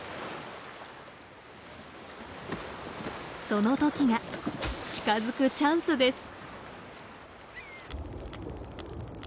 その時が近づくチャンスです。